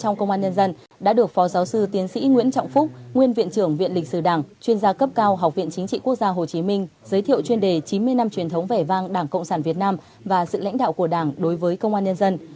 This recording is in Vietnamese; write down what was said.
giáo sư tiến sĩ nguyễn trọng phúc nguyên viện trưởng viện lịch sử đảng chuyên gia cấp cao học viện chính trị quốc gia hồ chí minh giới thiệu chuyên đề chín mươi năm truyền thống vẻ vang đảng cộng sản việt nam và sự lãnh đạo của đảng đối với công an nhân dân